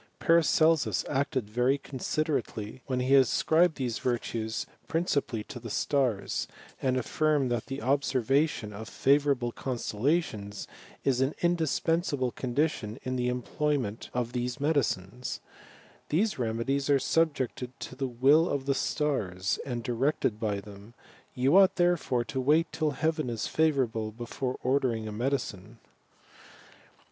Psaracefevs T«ij cottskkiiately. When he ascribed tibese virtaa CHEMISTRY OF PARACELSUS. 165 liriiicipally to the stars, and affirmed that the observa tkm of favourable constellations is an indispensable condition in the employment of these medicines. "The temedies are subjected to the will of the stars, and directed by them ; you ought therefore to wait till heaven is favourable, before ordering a medicine."